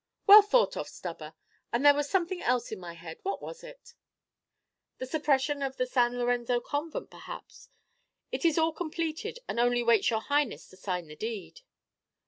"Well thought of, Stubber; and there was something else in my head, what was it?" "The suppression of the San Lorenzo convent, perhaps; it is all completed, and only waits your Highness to sign the deed."